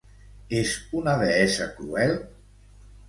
És una deessa cruel?